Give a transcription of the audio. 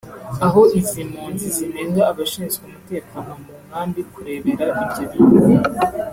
aho izi mpunzi zinenga abashinzwe umutekano mu nkambi kurebera ibyo bintu